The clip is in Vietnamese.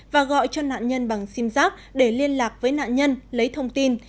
và gọi cho nạn nhân bằng sim giác để liên lạc với nạn nhân lấy thông tin